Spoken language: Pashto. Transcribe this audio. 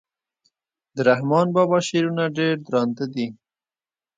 د رحمان بابا شعرونه ډير درانده دي.